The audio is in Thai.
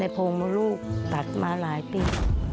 โพงมลูกตัดมาหลายปี